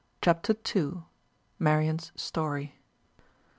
CHAPTER II. MARIAN'S STORY.